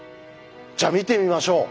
じゃあ見てみましょう。